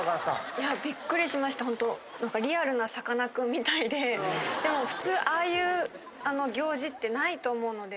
びっくりしました、本当、リアルなさかなクンみたいで、でも、普通、ああいう行事ってないと思うので。